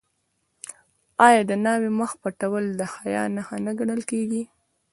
آیا د ناوې د مخ پټول د حیا نښه نه ګڼل کیږي؟